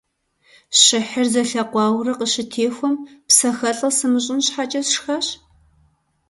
Щыхьыр зэлъэкъуауэурэ къыщытехуэм, псэхэлӀэ сымыщӀын щхьэкӀэ сшхащ.